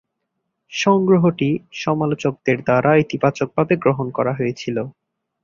সংগ্রহটি সমালোচকদের দ্বারা ইতিবাচকভাবে গ্রহণ করা হয়েছিল।